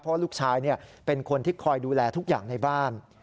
เพราะลูกชายเป็นคนที่คอยดูแลทุกอย่างในบ้าน